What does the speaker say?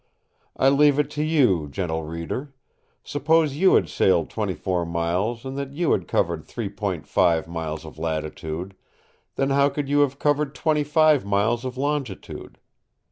I leave it to you, gentle reader. Suppose you had sailed 24 miles and that you had covered 3.5 miles of latitude, then how could you have covered 25 miles of longitude?